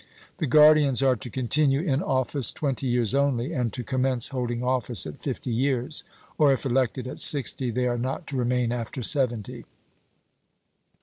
The guardians are to continue in office twenty years only, and to commence holding office at fifty years, or if elected at sixty they are not to remain after seventy.